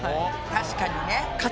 確かにね。